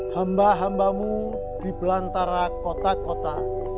hamba hambamu di belantara kota kota